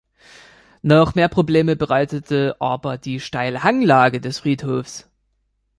Noch mehr Probleme bereitete aber die steile Hanglage des Friedhofs.